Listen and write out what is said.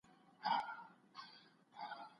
استفاده کول باید د اصولو په چوکاټ کي وي.